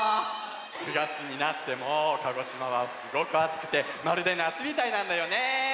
９がつになっても鹿児島はすごくあつくてまるでなつみたいなんだよね。